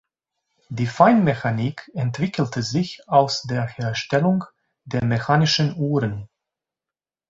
Die Feinmechanik entwickelte sich aus der Herstellung der mechanischen Uhren.